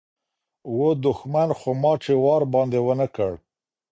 و دښمن خو ما چي وار باندي و نه کړ